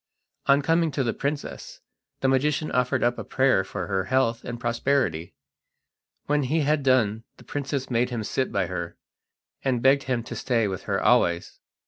On coming to the princess the magician offered up a prayer for her health and prosperity. When he had done the princess made him sit by her, and begged him to stay with her always.